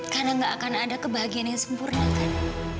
karena gak akan ada kebahagiaan yang sempurna kan